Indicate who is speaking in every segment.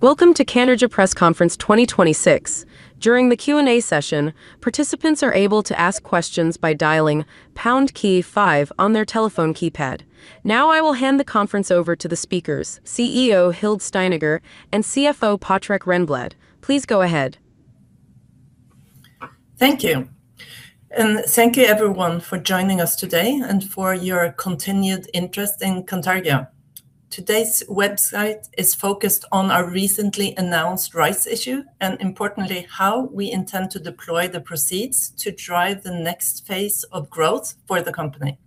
Speaker 1: Welcome to Cantargia Press Conference 2026. I will hand the conference over to the speakers, CEO Hilde Steineger and CFO Patrik Renblad. Please go ahead.
Speaker 2: Thank you. Thank you everyone for joining us today and for your continued interest in Cantargia. Today's webcast is focused on our recently announced rights issue, and importantly, how we intend to deploy the proceeds to drive the next phase of growth for the company.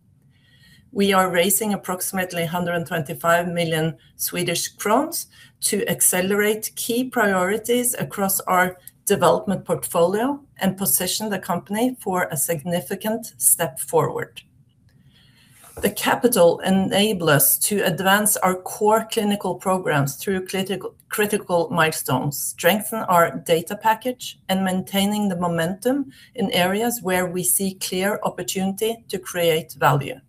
Speaker 2: We are raising approximately 125 million Swedish crowns to accelerate key priorities across our development portfolio and position the company for a significant step forward. The capital enable us to advance our core clinical programs through critical milestones, strengthen our data package, and maintaining the momentum in areas where we see clear opportunity to create value.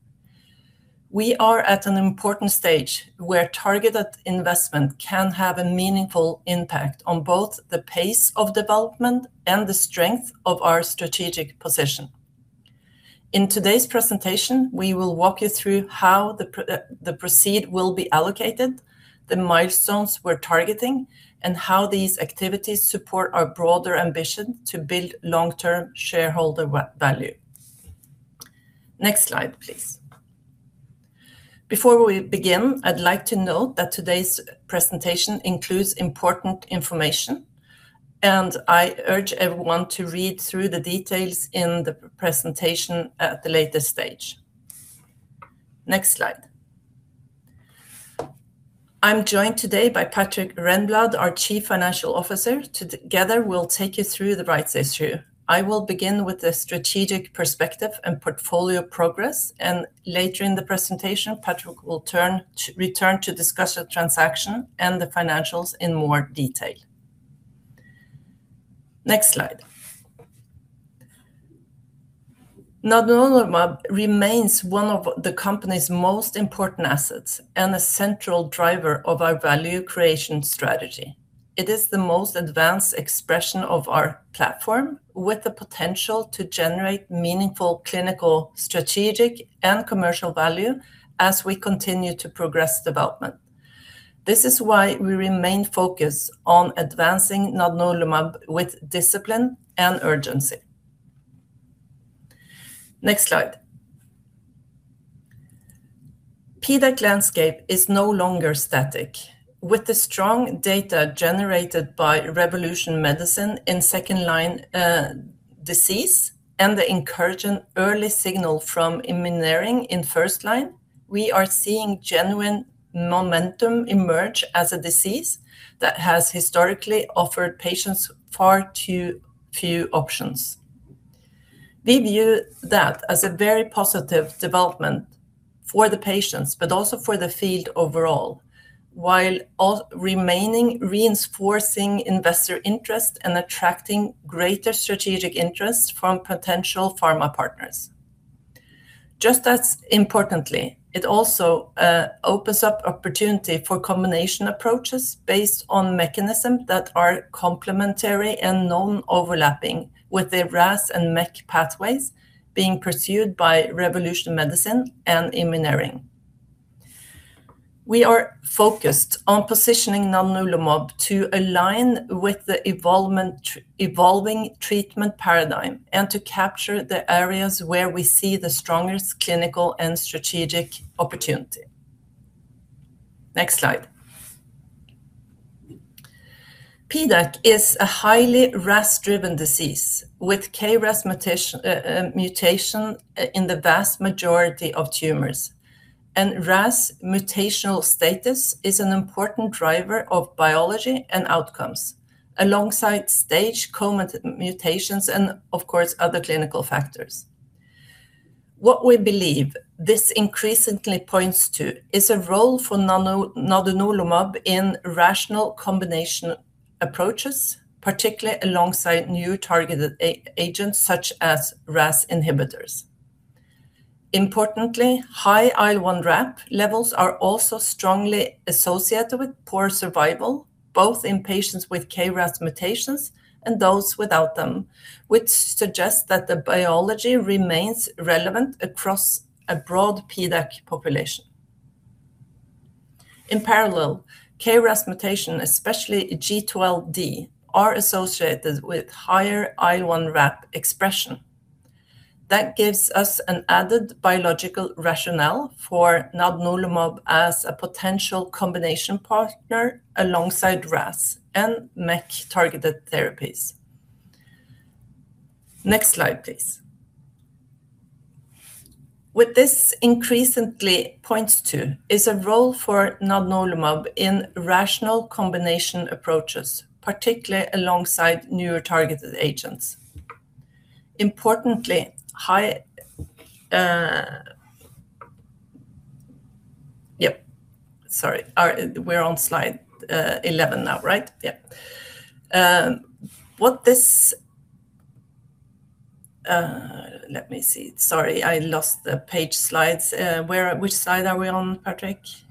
Speaker 2: We are at an important stage where targeted investment can have a meaningful impact on both the pace of development and the strength of our strategic position. In today's presentation, we will walk you through how the proceeds will be allocated, the milestones we're targeting, and how these activities support our broader ambition to build long-term shareholder value. Next slide, please. Before we begin, I'd like to note that today's presentation includes important information, and I urge everyone to read through the details in the presentation at the later stage. Next slide. I'm joined today by Patrik Renblad, our Chief Financial Officer. Together, we'll take you through the rights issue. I will begin with the strategic perspective and portfolio progress, and later in the presentation, Patrik will return to discuss the transaction and the financials in more detail. Next slide. Nadunolimab remains one of the company's most important assets and a central driver of our value creation strategy. It is the most advanced expression of our platform with the potential to generate meaningful clinical, strategic, and commercial value as we continue to progress development. This is why we remain focused on advancing nadunolimab with discipline and urgency. Next slide. PDAC landscape is no longer static. With the strong data generated by Revolution Medicines in second-line disease and the encouraging early signal from Immuneering in first line, we are seeing genuine momentum emerge as a disease that has historically offered patients far too few options. We view that as a very positive development for the patients, but also for the field overall, while reinforcing investor interest and attracting greater strategic interest from potential pharma partners. Just as importantly, it also opens up opportunity for combination approaches based on mechanisms that are complementary and non-overlapping with the RAS and MEK pathways being pursued by Revolution Medicines and Immuneering. We are focused on positioning nadunolimab to align with the evolving treatment paradigm and to capture the areas where we see the strongest clinical and strategic opportunity. Next slide. PDAC is a highly RAS-driven disease with KRAS mutation in the vast majority of tumors. RAS mutational status is an important driver of biology and outcomes, alongside stage common mutations and, of course, other clinical factors. What we believe this increasingly points to is a role for nadunolimab in rational combination approaches, particularly alongside new targeted agents such as RAS inhibitors. Importantly, high IL1RAP levels are also strongly associated with poor survival, both in patients with KRAS mutations and those without them, which suggests that the biology remains relevant across a broad PDAC population. In parallel, KRAS mutation, especially G12D, are associated with higher IL1RAP expression. That gives us an added biological rationale for nadunolimab as a potential combination partner alongside RAS and MEK-targeted therapies. Next slide, please. What this increasingly points to is a role for nadunolimab in rational combination approaches, particularly alongside newer targeted agents. Importantly, high Yep. Sorry. We're on slide 11 now, right? Yep. Let me see. Sorry, I lost the page slides. Which slide are we on, Patrik?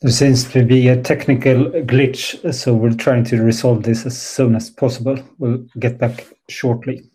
Speaker 3: There seems to be a technical glitch, so we're trying to resolve this as soon as possible. We'll get back shortly.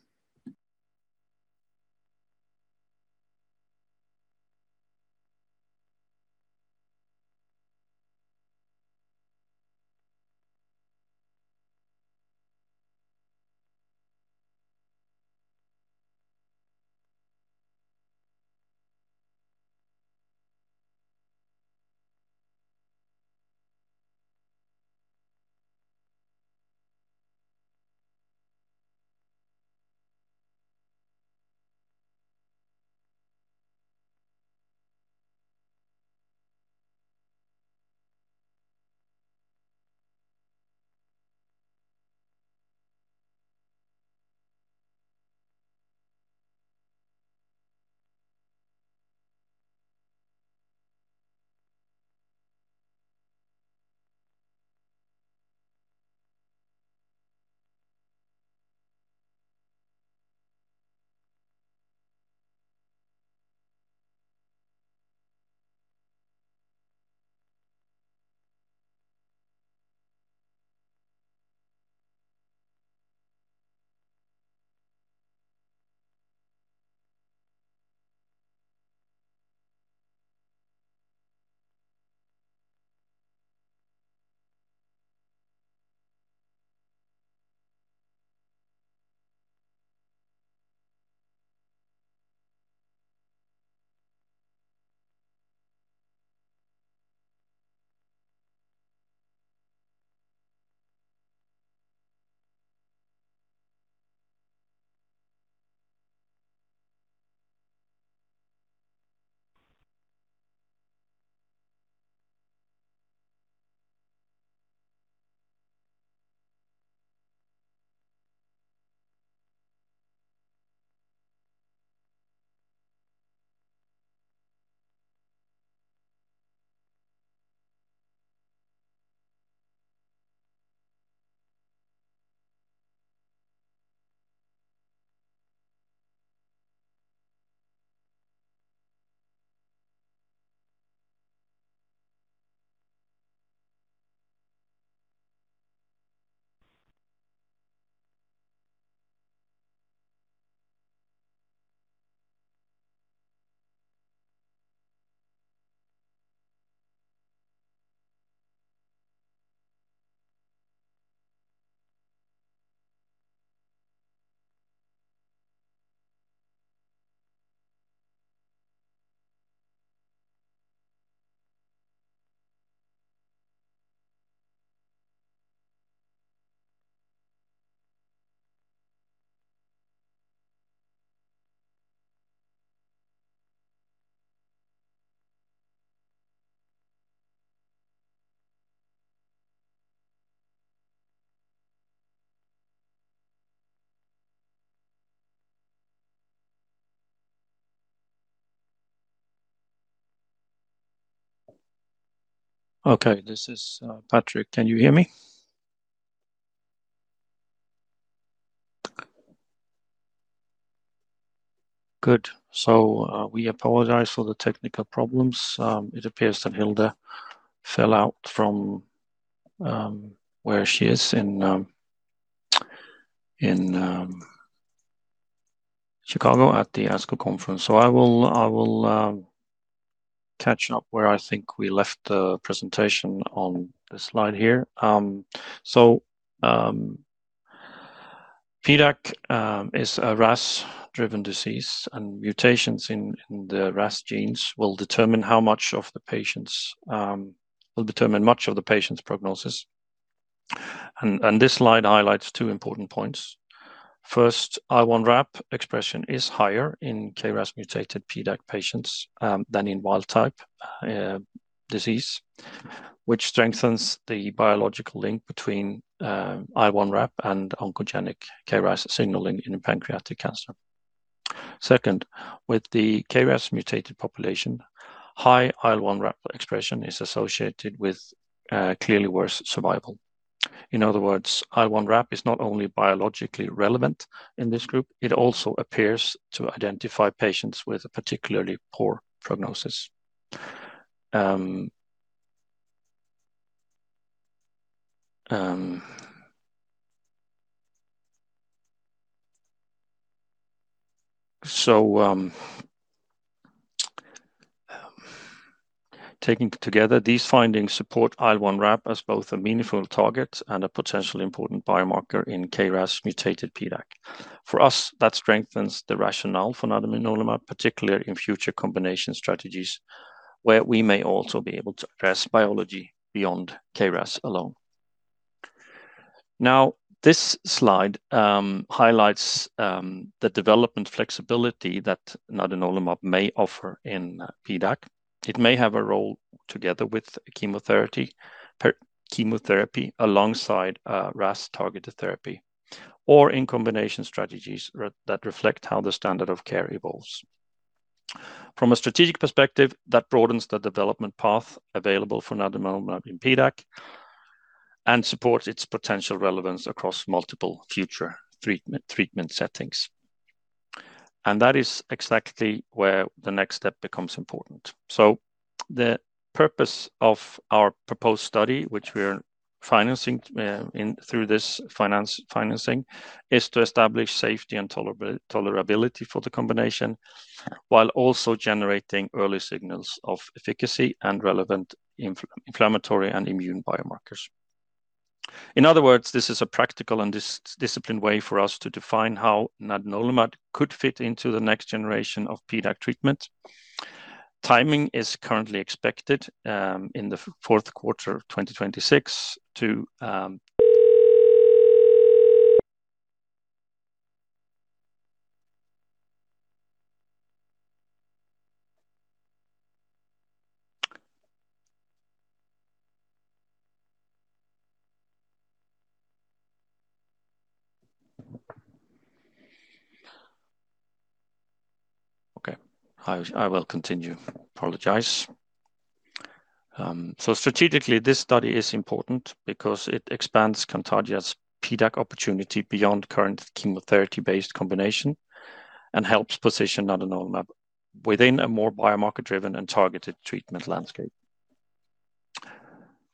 Speaker 4: This is Patrik. Can you hear me? Good. We apologize for the technical problems. It appears that Hilde fell out from where she is in Chicago at the ASCO conference. I will catch up where I think we left the presentation on the slide here. PDAC is a RAS-driven disease, mutations in the RAS genes will determine much of the patient's prognosis. This slide highlights two important points. First, IL1RAP expression is higher in KRAS-mutated PDAC patients than in wild-type disease, which strengthens the biological link between IL1RAP and oncogenic KRAS signaling in pancreatic cancer. Second, with the KRAS-mutated population, high IL1RAP expression is associated with clearly worse survival. In other words, IL1RAP is not only biologically relevant in this group, it also appears to identify patients with a particularly poor prognosis. Taking together, these findings support IL1RAP as both a meaningful target and a potentially important biomarker in KRAS-mutated PDAC. For us, that strengthens the rationale for nadunolimab, particularly in future combination strategies, where we may also be able to address biology beyond KRAS alone. This slide highlights the development flexibility that nadunolimab may offer in PDAC. It may have a role together with chemotherapy, alongside RAS-targeted therapy, or in combination strategies that reflect how the standard of care evolves. From a strategic perspective, that broadens the development path available for nadunolimab in PDAC and supports its potential relevance across multiple future treatment settings. That is exactly where the next step becomes important. The purpose of our proposed study, which we're financing through this financing, is to establish safety and tolerability for the combination, while also generating early signals of efficacy and relevant inflammatory and immune biomarkers. In other words, this is a practical and disciplined way for us to define how nadunolimab could fit into the next generation of PDAC treatment. Timing is currently expected in the fourth quarter of 2026. Okay, I will continue. Apologize. Strategically, this study is important because it expands Cantargia's PDAC opportunity beyond current chemotherapy-based combination and helps position nadunolimab within a more biomarker-driven and targeted treatment landscape.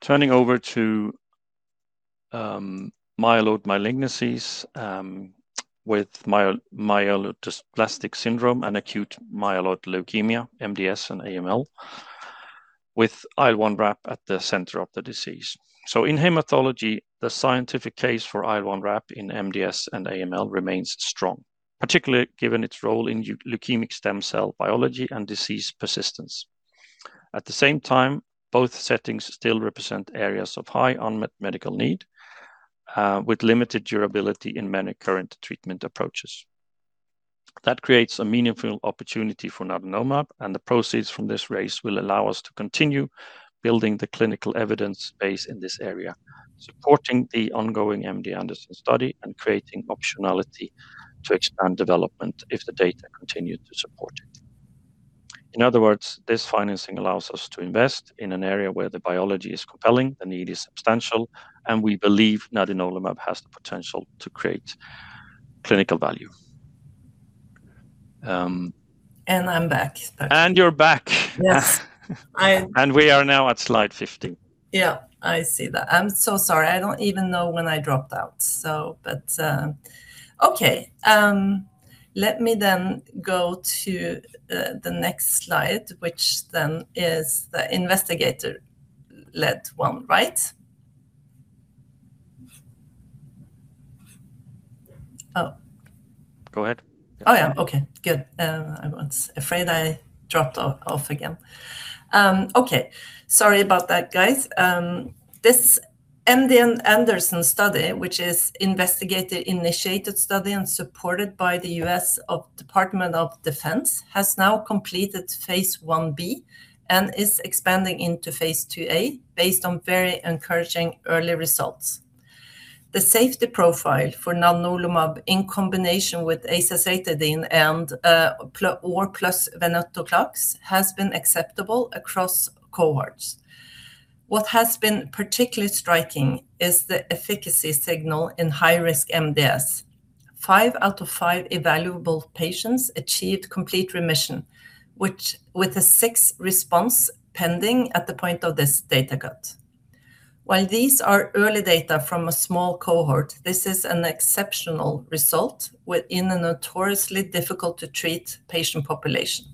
Speaker 4: Turning over to myeloid malignancies with myelodysplastic syndrome and acute myeloid leukemia, MDS and AML, with IL1RAP at the center of the disease. In hematology, the scientific case for IL1RAP in MDS and AML remains strong, particularly given its role in leukemic stem cell biology and disease persistence. At the same time, both settings still represent areas of high unmet medical need, with limited durability in many current treatment approaches. That creates a meaningful opportunity for nadunolimab, and the proceeds from this raise will allow us to continue building the clinical evidence base in this area, supporting the ongoing MD Anderson study and creating optionality to expand development if the data continue to support it. In other words, this financing allows us to invest in an area where the biology is compelling, the need is substantial, and we believe nadunolimab has the potential to create clinical value.
Speaker 2: I'm back.
Speaker 4: You're back.
Speaker 2: Yes.
Speaker 4: We are now at slide 15.
Speaker 2: Yeah, I see that. I am so sorry. I do not even know when I dropped out. Okay. Let me go to the next slide, which then is the investigator-led one, right? Oh.
Speaker 4: Go ahead.
Speaker 2: Oh, yeah. Okay, good. I was afraid I dropped off again. Okay, sorry about that, guys. The MD Anderson study, which is investigated, initiated study and supported by the U.S. Department of Defense, has now completed phase I-B and is expanding into phase II-A based on very encouraging early results. The safety profile for nadunolimab in combination with azacitidine or plus venetoclax has been acceptable across cohorts. What has been particularly striking is the efficacy signal in high-risk MDS. Five out of five evaluable patients achieved complete remission, with a six response pending at the point of this data cut. While these are early data from a small cohort, this is an exceptional result within a notoriously difficult-to-treat patient population.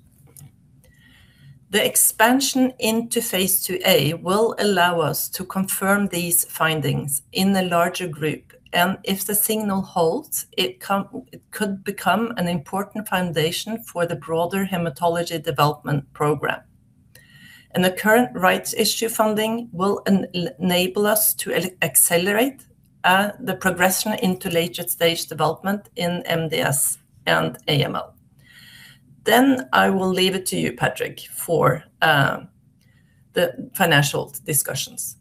Speaker 2: The expansion into phase II-A will allow us to confirm these findings in the larger group, and if the signal holds, it could become an important foundation for the broader hematology development program. The current rights issue funding will enable us to accelerate the progression into later stage development in MDS and AML. I will leave it to you, Patrik, for the financial discussions.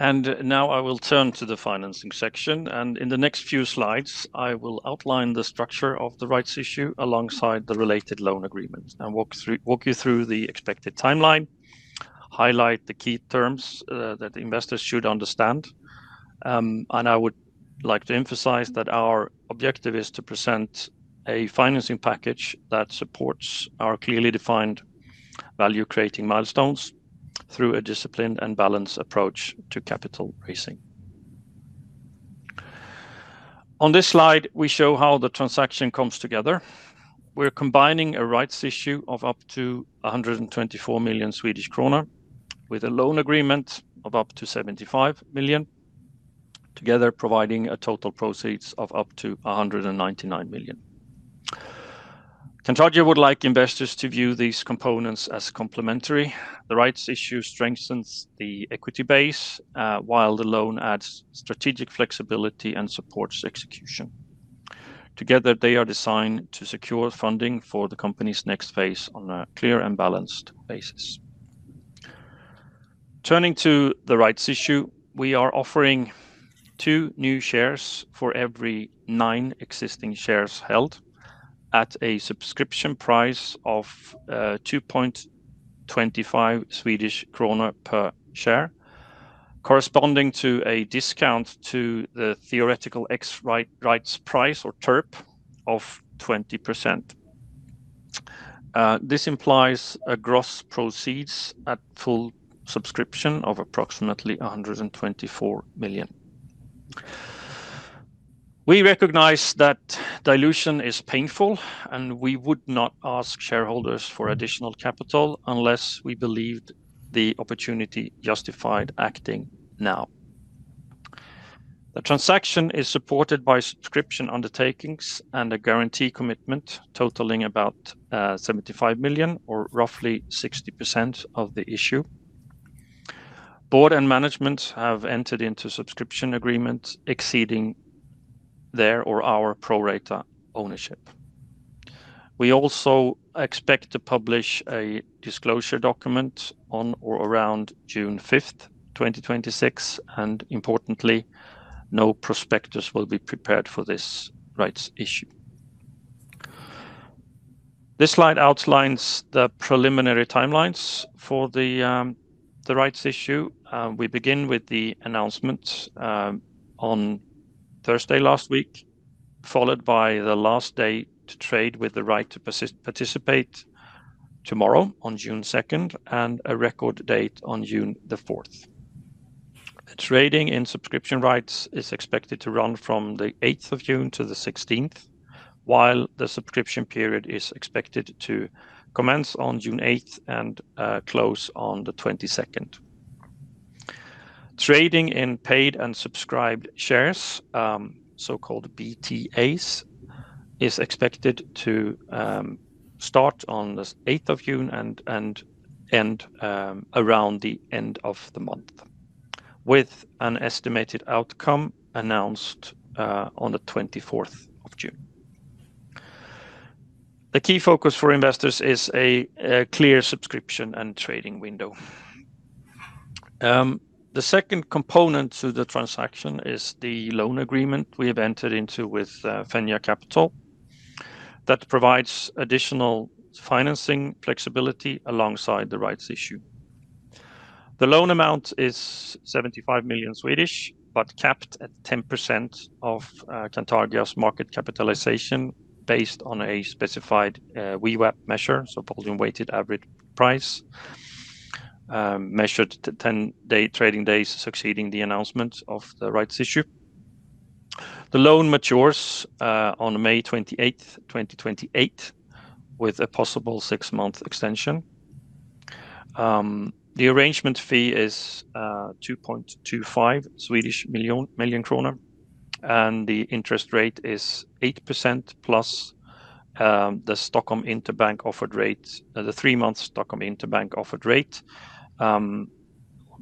Speaker 4: Now I will turn to the financing section. In the next few slides, I will outline the structure of the rights issue alongside the related loan agreements and walk you through the expected timeline, highlight the key terms that investors should understand. I would like to emphasize that our objective is to present a financing package that supports our clearly defined value-creating milestones through a disciplined and balanced approach to capital raising. On this slide, we show how the transaction comes together. We're combining a rights issue of up to 124 million Swedish kronor with a loan agreement of up to 75 million, together providing total proceeds of up to 199 million. Cantargia would like investors to view these components as complementary. The rights issue strengthens the equity base, while the loan adds strategic flexibility and supports execution. Together, they are designed to secure funding for the company's next phase on a clear and balanced basis. Turning to the rights issue, we are offering two new shares for every nine existing shares held at a subscription price of 2.25 Swedish kronor per share, corresponding to a discount to the theoretical ex-rights price or TERP of 20%. This implies a gross proceeds at full subscription of approximately 124 million. We recognize that dilution is painful. We would not ask shareholders for additional capital unless we believed the opportunity justified acting now. The transaction is supported by subscription undertakings and a guarantee commitment totaling about 75 million or roughly 60% of the issue. Board and management have entered into subscription agreements exceeding their or our pro rata ownership. We also expect to publish a disclosure document on or around June 5th, 2026. Importantly, no prospectus will be prepared for this rights issue. This slide outlines the preliminary timelines for the rights issue. We begin with the announcement on Thursday last week, followed by the last day to trade with the right to participate tomorrow on June 2nd, and a record date on June the 4th. Trading in subscription rights is expected to run from the 8th of June to the 16th, while the subscription period is expected to commence on June 8th and close on the 22nd. Trading in paid and subscribed shares, so-called BTAs, is expected to start on the 8th of June and end around the end of the month, with an estimated outcome announced on the 24th of June. The key focus for investors is a clear subscription and trading window. The second component to the transaction is the loan agreement we have entered into with Fenja Capital that provides additional financing flexibility alongside the rights issue. The loan amount is 75 million, capped at 10% of Cantargia's market capitalization based on a specified VWAP measure, volume-weighted average price, measured 10 trading days succeeding the announcement of the rights issue. The loan matures on May 28th, 2028, with a possible six-month extension. The arrangement fee is 2.25 million. The interest rate is 8% plus the Stockholm Interbank Offered Rate, the three-month Stockholm Interbank Offered Rate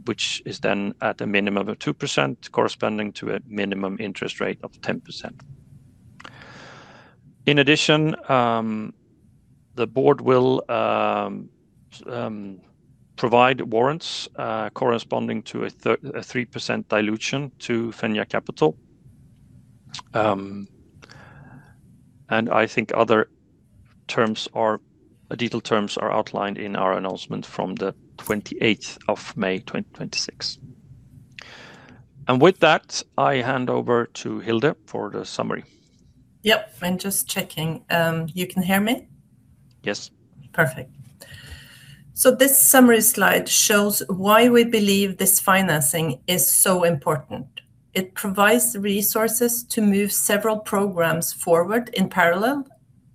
Speaker 4: which is then at a minimum of 2%, corresponding to a minimum interest rate of 10%. In addition, the board will provide warrants corresponding to a 3% dilution to Fenja Capital. I think other detailed terms are outlined in our announcement from the 28th of May 2026. With that, I hand over to Hilde for the summary.
Speaker 2: Yep. I'm just checking. You can hear me?
Speaker 4: Yes.
Speaker 2: Perfect. This summary slide shows why we believe this financing is so important. It provides resources to move several programs forward in parallel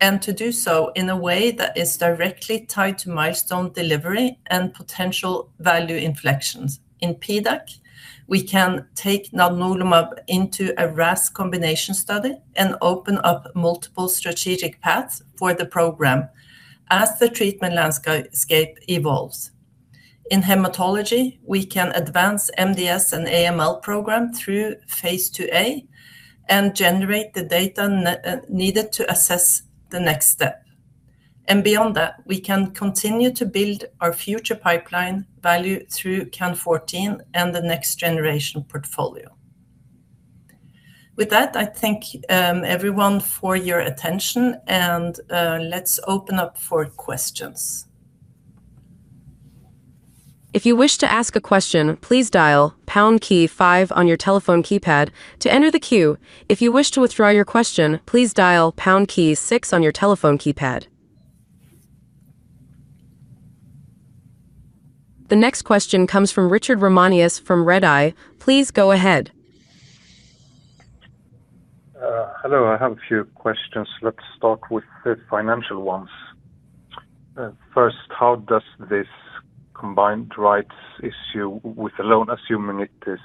Speaker 2: and to do so in a way that is directly tied to milestone delivery and potential value inflections. In PDAC, we can take nadunolimab into a RAS combination study and open up multiple strategic paths for the program as the treatment landscape evolves. In hematology, we can advance MDS and AML program through phase IIa and generate the data needed to assess the next step. Beyond that, we can continue to build our future pipeline value through CAN14 and the next generation portfolio. With that, I thank everyone for your attention, and let's open up for questions.
Speaker 1: The next question comes from Richard Ramanius from Redeye. Please go ahead.
Speaker 5: Hello. I have a few questions. Let's start with the financial ones. First, how does this combined rights issue with the loan, assuming it is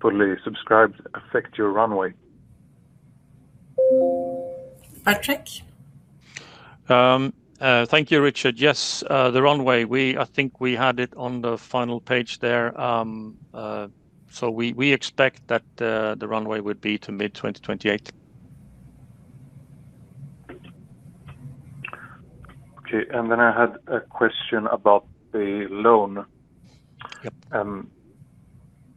Speaker 5: fully subscribed, affect your runway?
Speaker 2: Patrik?
Speaker 4: Thank you, Richard. Yes, the runway. I think we had it on the final page there. We expect that the runway would be to mid-2028.
Speaker 5: Okay, I had a question about the loan.
Speaker 4: Yep.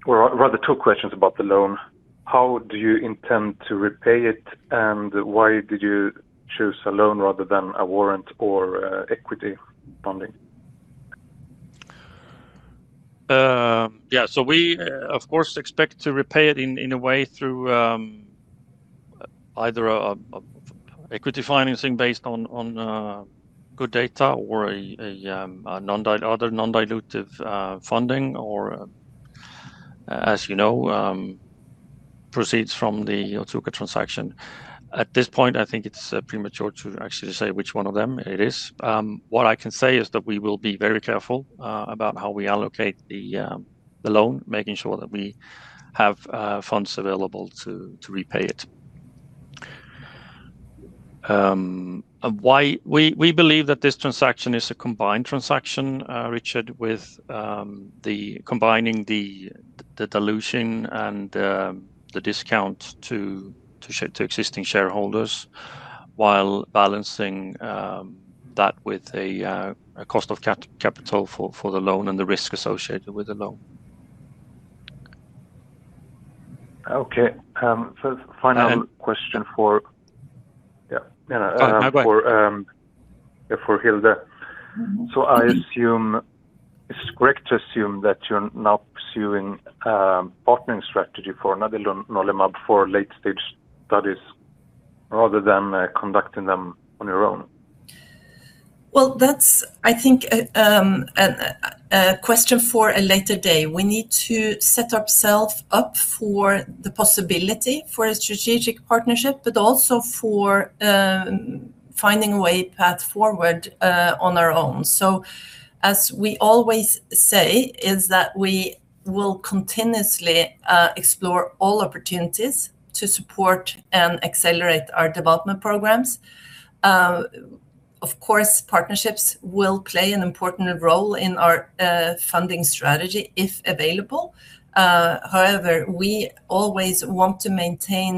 Speaker 5: Rather two questions about the loan. How do you intend to repay it, and why did you choose a loan rather than a warrant or equity funding?
Speaker 4: We, of course, expect to repay it in a way through either equity financing based on good data or other non-dilutive funding, or as you know, proceeds from the Otsuka transaction. At this point, I think it's premature to actually say which one of them it is. What I can say is that we will be very careful about how we allocate the loan, making sure that we have funds available to repay it. We believe that this transaction is a combined transaction, Richard, with combining the dilution and the discount to existing shareholders while balancing that with a cost of capital for the loan and the risk associated with the loan.
Speaker 5: Okay. Final question for.
Speaker 4: No.
Speaker 5: Yeah.
Speaker 4: No, go ahead.
Speaker 5: For Hilde. It's correct to assume that you're now pursuing a partnering strategy for nadunolimab for late-stage studies rather than conducting them on your own?
Speaker 2: Well, that's, I think, a question for a later day. We need to set ourselves up for the possibility for a strategic partnership, but also for finding a way path forward on our own. As we always say, is that we will continuously explore all opportunities to support and accelerate our development programs. Of course, partnerships will play an important role in our funding strategy if available. However, we always want to maintain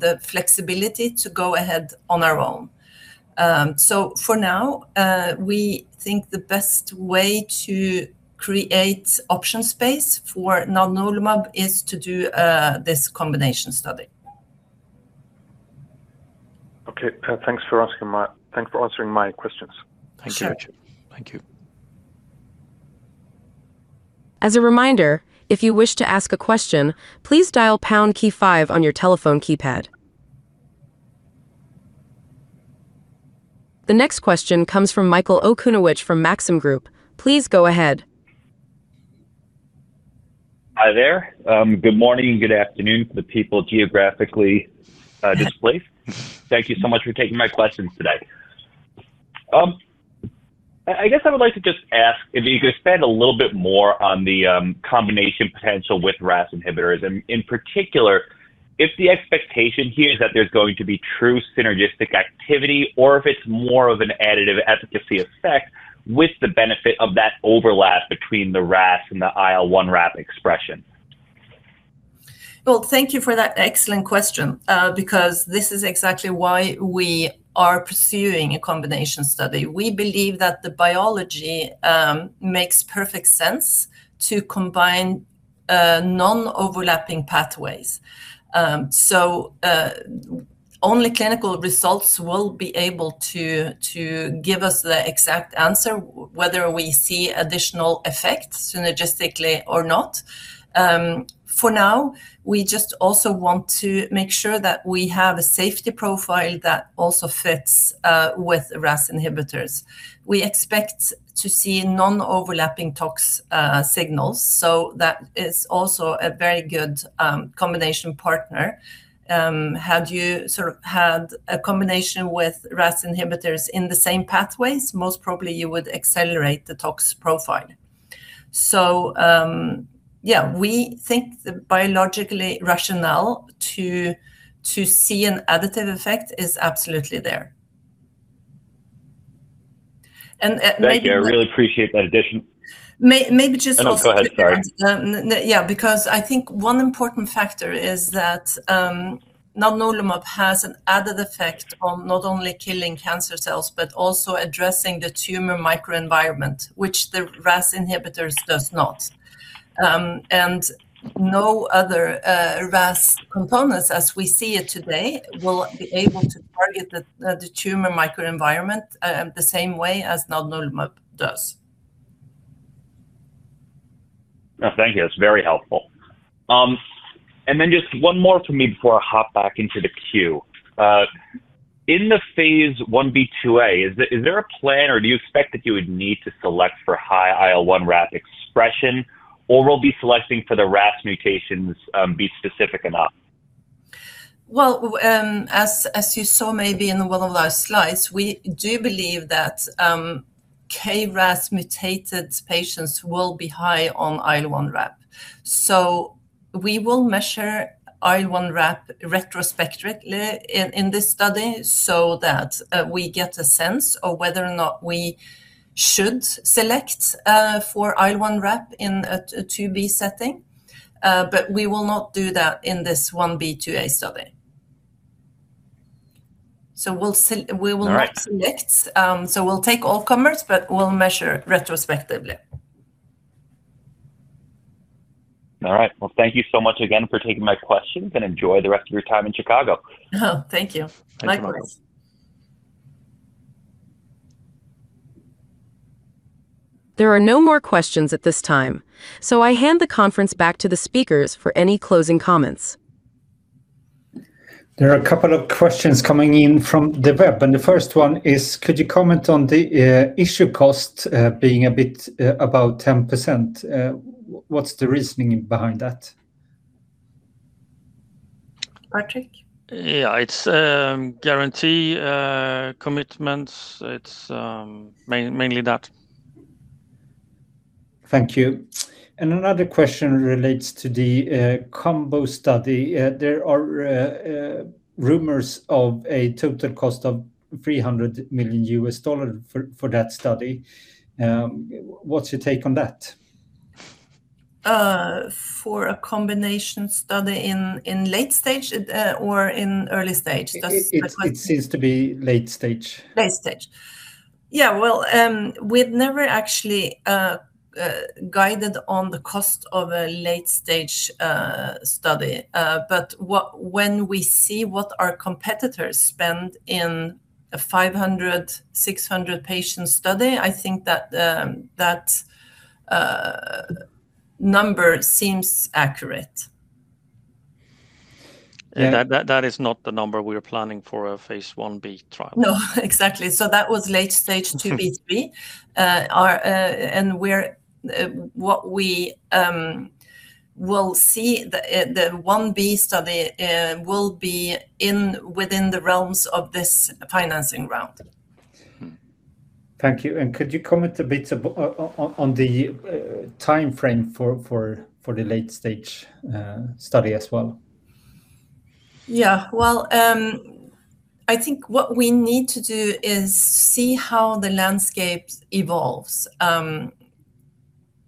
Speaker 2: the flexibility to go ahead on our own. For now, we think the best way to create option space for nadunolimab is to do this combination study.
Speaker 5: Okay. Thanks for answering my questions.
Speaker 4: Thank you.
Speaker 2: Sure.
Speaker 4: Thank you.
Speaker 1: The next question comes from Michael Okunewitch from Maxim Group. Please go ahead.
Speaker 6: Hi there. Good morning. Good afternoon for the people geographically displaced. Thank you so much for taking my questions today. I guess I would like to just ask if you could expand a little bit more on the combination potential with RAS inhibitors, in particular, if the expectation here is that there's going to be true synergistic activity or if it's more of an additive efficacy effect with the benefit of that overlap between the RAS and the IL1RAP expression.
Speaker 2: Thank you for that excellent question because this is exactly why we are pursuing a combination study. We believe that the biology makes perfect sense to combine non-overlapping pathways. Only clinical results will be able to give us the exact answer whether we see additional effects synergistically or not. For now, we just also want to make sure that we have a safety profile that also fits with RAS inhibitors. We expect to see non-overlapping tox signals, that is also a very good combination partner. Had you had a combination with RAS inhibitors in the same pathways, most probably you would accelerate the tox profile. Yeah, we think the biological rationale to see an additive effect is absolutely there.
Speaker 6: Thank you. I really appreciate that addition.
Speaker 2: Maybe just also-
Speaker 6: No, go ahead. Sorry.
Speaker 2: Yeah, because I think one important factor is that nadunolimab has an added effect on not only killing cancer cells, but also addressing the tumor microenvironment, which the RAS inhibitors does not. No other RAS components, as we see it today, will be able to target the tumor microenvironment the same way as nadunolimab does.
Speaker 6: No, thank you. That's very helpful. Just one more from me before I hop back into the queue. In the phase I-B/II, is there a plan, or do you expect that you would need to select for high IL1RAP expression, or will be selecting for the RAS mutations be specific enough?
Speaker 2: As you saw maybe in one of those slides, we do believe that KRAS-mutated patients will be high on IL1RAP. We will measure IL1RAP retrospectively in this study so that we get a sense of whether or not we should select for IL1RAP in a phase II-B setting. We will not do that in this phase I-B/II-A study.
Speaker 6: All right.
Speaker 2: select. We'll take all comers, but we'll measure retrospectively.
Speaker 6: All right. Well, thank you so much again for taking my questions, and enjoy the rest of your time in Chicago.
Speaker 2: Oh, thank you. Likewise.
Speaker 1: There are no more questions at this time. I hand the conference back to the speakers for any closing comments.
Speaker 3: There are a couple of questions coming in from the web, and the first one is, could you comment on the issue cost being a bit above 10%? What's the reasoning behind that?
Speaker 2: Patrik?
Speaker 4: Yeah. It's guarantee commitments. It's mainly that.
Speaker 3: Thank you. Another question relates to the combo study. There are rumors of a total cost of $300 million for that study. What's your take on that?
Speaker 2: For a combination study in late stage or in early stage?
Speaker 3: It seems to be late stage.
Speaker 2: Late stage. Yeah. Well, we've never actually guided on the cost of a late-stage study. When we see what our competitors spend in a 500, 600-patient study, I think that number seems accurate.
Speaker 4: That is not the number we are planning for our phase I-B trial.
Speaker 2: No, exactly. That was late phase II-B/III. What we will see, the phase I-B study will be within the realms of this financing round.
Speaker 3: Thank you. Could you comment a bit on the timeframe for the late-stage study as well?
Speaker 2: Yeah. Well, I think what we need to do is see how the landscape evolves.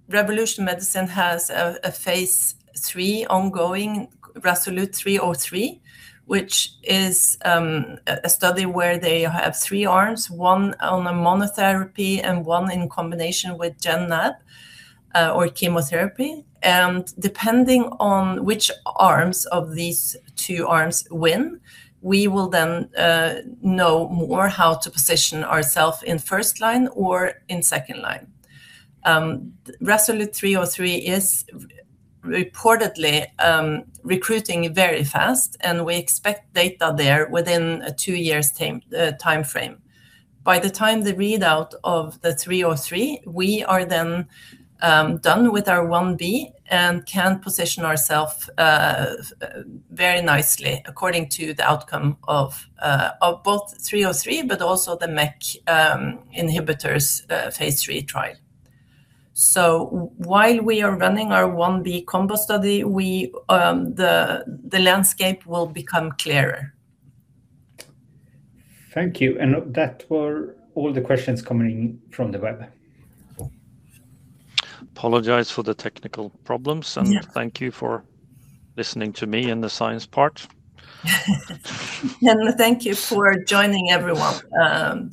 Speaker 2: Revolution Medicines has a phase III ongoing, RASolute 303, which is a study where they have three arms, one on a monotherapy and one in combination with gem/nab or chemotherapy. Depending on which arms of these two arms win, we will then know more how to position ourself in first line or in second line. RASolute 303 is reportedly recruiting very fast, and we expect data there within a two years' timeframe. By the time the readout of the 303, we are then done with our phase I-B and can position ourself very nicely according to the outcome of both 303 but also the MEK inhibitors phase III trial. While we are running our phase I-B combo study, the landscape will become clearer.
Speaker 3: Thank you. That were all the questions coming in from the web.
Speaker 4: Apologize for the technical problems.
Speaker 2: Yeah.
Speaker 4: Thank you for listening to me in the science part.
Speaker 2: Thank you for joining, everyone.